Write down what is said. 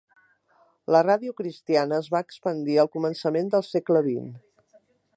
La ràdio cristiana es va expandir al començament del segle XX.